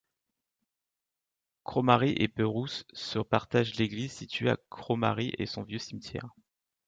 Cromary et Perrouse se partagent l'église, située à Cromary et son vieux cimetière.